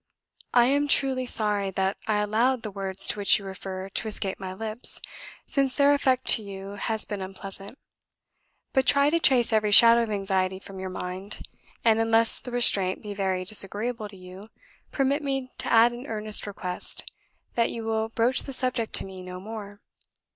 "I am truly sorry that I allowed the words to which you refer to escape my lips, since their effect on you has been unpleasant; but try to chase every shadow of anxiety from your mind, and, unless the restraint be very disagreeable to you, permit me to add an earnest request that you will broach the subject to me no more.